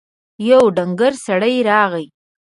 يو ډنګر سړی راغی.